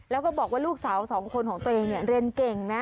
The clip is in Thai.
แล้วก็บอกว่าลูกสาวสองคนของตัวเองเรียนเก่งนะ